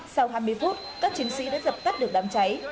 sau hai mươi phút các chiến sĩ đã dập tắt được đám cháy